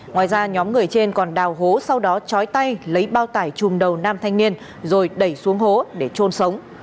ngoài ra nhóm người trên còn đào hố sau đó trói tay lấy bao tải chùm đầu nam thanh niên rồi đẩy xuống hố để trôn sống